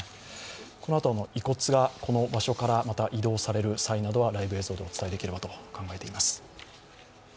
このあと、遺骨がこの場所から移動される際などはまたライブ映像でお伝えできればと考えております。